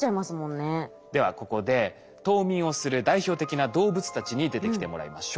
ではここで冬眠をする代表的な動物たちに出てきてもらいましょう。